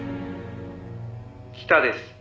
「北です。